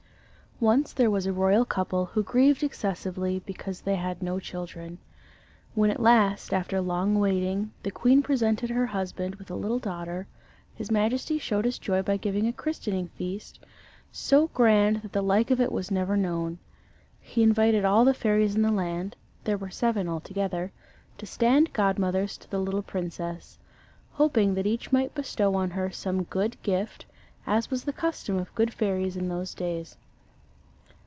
Once there was a royal couple who grieved excessively because they had no children. When at last, after long waiting, the queen presented her husband with a little daughter, his majesty showed his joy by giving a christening feast, so grand that the like of it was never known. He invited all the fairies in the land there were seven altogether to stand godmothers to the little princess; hoping that each might bestow on her some good gift, as was the custom of good fairies in those days.